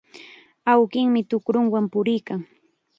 Awkinmi tukrunwan puriykan.